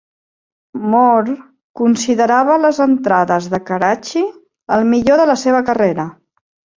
More considerava les entrades de Karachi el millor de la seva carrera.